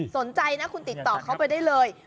สนใจนะคุณติดต่อเขาไปได้เลย